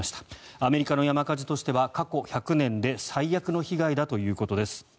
アメリカの山火事としては過去１００年で最悪の被害だということです。